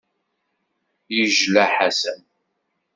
Yejla Ḥasan.